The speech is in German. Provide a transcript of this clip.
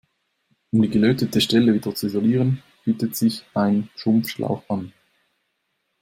Um die gelötete Stelle wieder zu isolieren, bietet sich ein Schrumpfschlauch an.